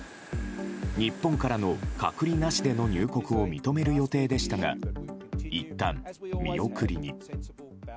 日本からの隔離なしでの入国を認める予定でしたがいったん見送りに。